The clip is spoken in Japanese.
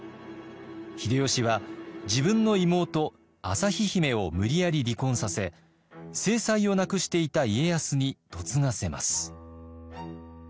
秀吉は自分の妹旭姫を無理やり離婚させ正妻を亡くしていた家康に嫁がせます。